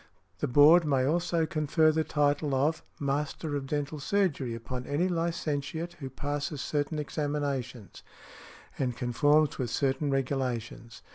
The Board may also confer the title of "Master of Dental Surgery" upon any licentiate who passes certain examinations and |162| conforms with certain regulations.